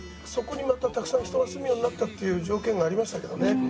そこにまたたくさん人が住むようになったっていう条件がありましたけどね。